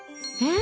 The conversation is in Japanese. え⁉